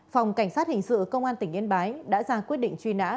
phòng cảnh sát hình sự công an tỉnh yên bái đã ra quyết định truy nã